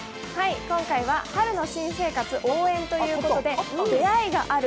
今回は春の新生活応援ということで、出会いがある！